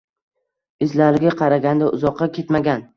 Izlariga qaranda uzoqqa ketmagan